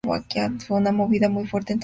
Fue una movida muy fuerte en toda la ciudad.